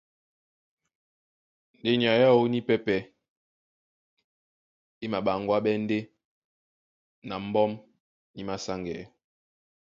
Ndé nyay aó nípɛ́pɛ̄ e maɓaŋgwáɓɛ́ ndeé na mbɔ́m ní māsáŋgɛɛ́.